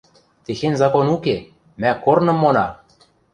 Техень закон уке, мӓ корным мона!